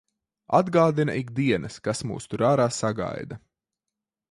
Atgādina ik dienas, kas mūs tur ārā sagaida.